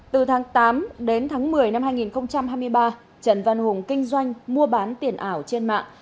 từ tháng tám đến tháng một mươi năm hai nghìn hai mươi ba trần văn hùng kinh doanh mua bán tiền ảo trên mạng